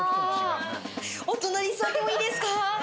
お隣座ってもいいですか？